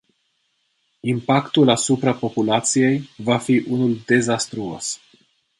Impactul asupra populației va fi unul dezastruos.